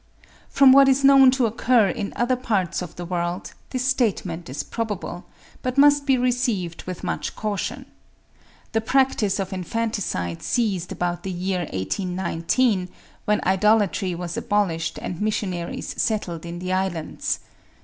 From what is known to occur in other parts of the world, this statement is probable; but must be received with much caution. The practice of infanticide ceased about the year 1819, when idolatry was abolished and missionaries settled in the Islands.